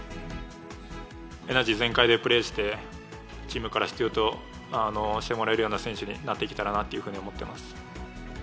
エナジー全開でプレーして、チームから必要としてもらえるような選手になっていけたらなっていうふうに思ってます。